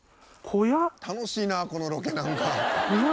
楽しいなこのロケなんか。